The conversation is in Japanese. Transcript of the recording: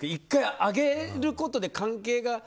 １回あげることで、関係が。